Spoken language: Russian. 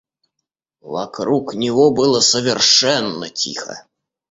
Вокруг него было совершенно тихо.